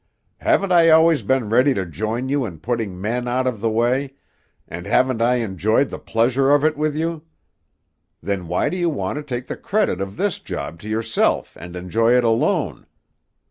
"Haven't I always been ready to join you in putting men out of the way, and haven't I enjoyed the pleasure of it with you? Then why do you want to take the credit of this job to yourself, and enjoy it alone?